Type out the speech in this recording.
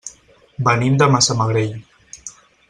Venim de Massamagrell.